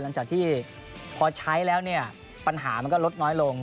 หลังจากที่พอใช้แล้วเนี่ยปัญหามันก็ลดน้อยลง